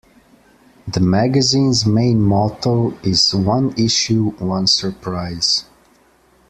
The magazine's main motto is "One Issue, One Surprise".